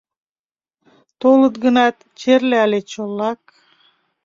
Толыт гынат, черле але чолак.